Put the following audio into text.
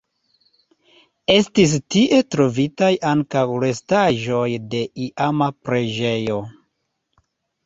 Estis tie trovitaj ankaŭ restaĵoj de iama preĝejo.